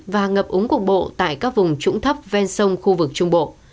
và ngập úng cục bộ tại các vùng trũng thấp ven sông khu vực trung bộ